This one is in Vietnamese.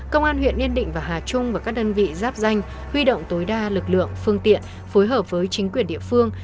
công an huyện yên định và hà trung và các đơn vị giáp danh huy động tối đa lực lượng phương tiện phối hợp với chính quyền địa phương